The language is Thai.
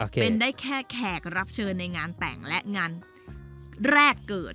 เป็นได้แค่แขกรับเชิญในงานแต่งและงานแรกเกิด